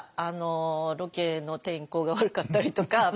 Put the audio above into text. あのロケの天候が悪かったりとか。